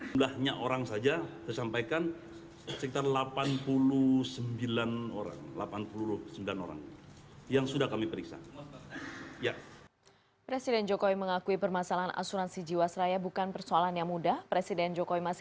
mulanya orang saja saya sampaikan sekitar delapan puluh sembilan orang yang sudah kami periksa